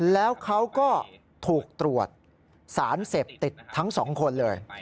แล้วเขาก็ถูกตรวจสารเสพติดทั้งสองคนเลย